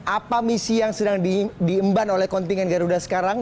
apa misi yang sedang diemban oleh kontingen garuda sekarang